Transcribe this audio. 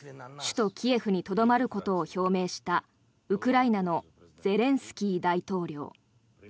首都キエフにとどまることを表明したウクライナのゼレンスキー大統領。